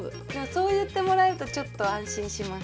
そう言ってもらえるとちょっと安心します。